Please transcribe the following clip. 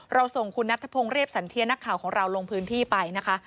ส่งคุณนัทธพงศ์เรียบสันเทียนักข่าวของเราลงพื้นที่ไปนะคะ